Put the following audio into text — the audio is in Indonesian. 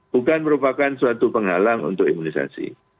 bukan merupakan suatu penghalang untuk imunisasi